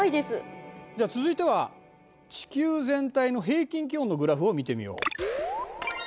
では続いては地球全体の平均気温のグラフを見てみよう。